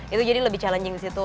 itu jadi lebih challenging disitu